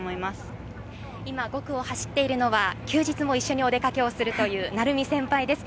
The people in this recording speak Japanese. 今５区を走っているのは休日も一緒にお出かけをするという成美先輩です。